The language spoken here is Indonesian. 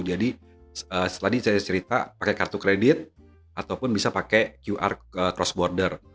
jadi tadi saya cerita pakai kartu kredit ataupun bisa pakai qr cross border